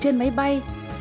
trên máy bay